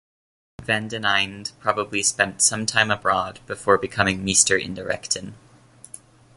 Van den Eynde probably spent some time abroad before becoming "meester in de rechten".